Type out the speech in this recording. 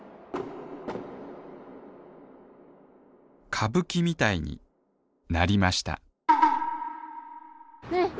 歌舞伎みたいになりましたえ？